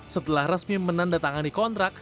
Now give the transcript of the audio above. setelah resmi menandatangan di kontrak